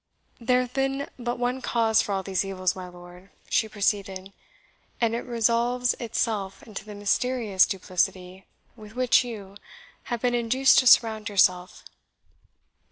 "There hath been but one cause for all these evils, my lord," she proceeded, "and it resolves itself into the mysterious duplicity with which you, have been induced to surround yourself.